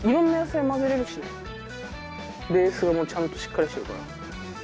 ベースがもうちゃんとしっかりしてるから。